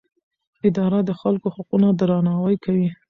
اداره د خلکو حقونه درناوی کوي.